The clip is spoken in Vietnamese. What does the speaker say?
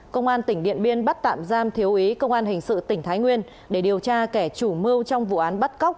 công an tỉnh điện biên bắt tạm giam thiếu ý công an hình sự tỉnh thái nguyên để điều tra kẻ chủ mưu trong vụ án bắt cóc